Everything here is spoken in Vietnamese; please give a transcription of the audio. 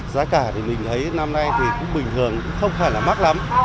giá cả thì mình thấy năm nay thì cũng bình thường không phải là mắc lắm